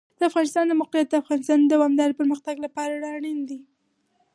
د افغانستان د موقعیت د افغانستان د دوامداره پرمختګ لپاره اړین دي.